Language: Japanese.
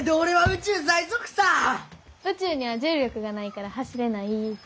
宇宙には重力がないから走れない。